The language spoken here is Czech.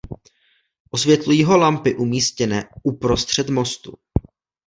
Osvětlují ho lampy umístěné uprostřed mostu.